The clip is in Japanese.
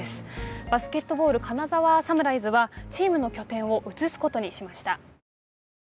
バスケットボール金沢武士団はチームの拠点を移すことにしました。